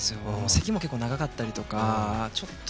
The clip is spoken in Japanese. せきも結構長かったりとか。